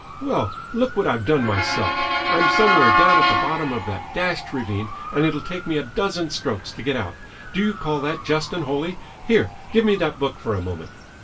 "Well, look what I've done myself! I'm somewhere down at the bottom of that dashed ravine, and it'll take me a dozen strokes to get out. Do you call that just and holy? Here, give me that book for a moment!"